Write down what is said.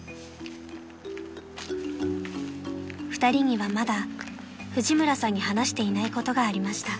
［２人にはまだ藤村さんに話していないことがありました］